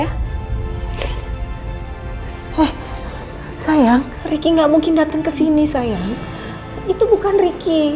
eh sayang ricky gak mungkin datang kesini sayang itu bukan ricky